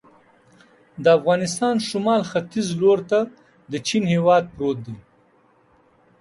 د افغانستان شمال ختیځ ته لور ته د چین هېواد پروت دی.